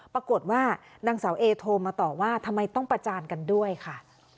ปรากฏว่านางสาวเอโทรมาต่อว่าทำไมต้องประจานกันด้วยค่ะ